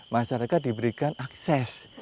masyarakat diberikan akses